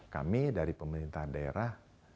kami dari pemerintah daerah